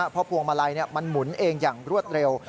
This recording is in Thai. เพราะพวงมาลัยมันหมุนเองอย่างรวดเร็ว